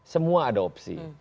semua ada opsi